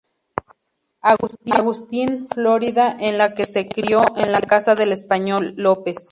Augustine, Florida, en la que se crio en la casa del español López.